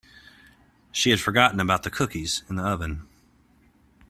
She had forgotten about the cookies in the oven.